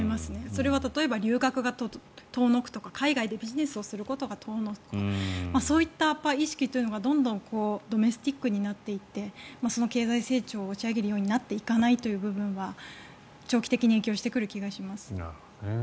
それは例えば、留学が遠のくとか海外でビジネスをすることが遠のくとかそういった意識が、どんどんドメスティックになっていって経済成長を押し上げるようになっていかないという部分は長期的に影響してくる気がします。